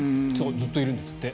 ずっといるんですって。